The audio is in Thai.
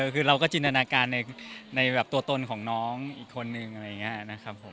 คือเราก็จินตนาการในแบบตัวตนของน้องอีกคนนึงอะไรอย่างนี้นะครับผม